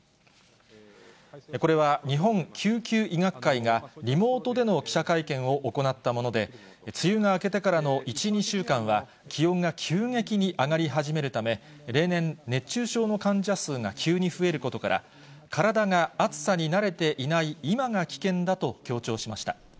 これは日本救急医学会が、リモートでの記者会見を行ったもので、梅雨が明けてからの１、２週間は、気温が急激に上がり始めるため、例年、熱中症の患者数が急に増えることから、体が暑さに慣れていない今が危険だと強調しました。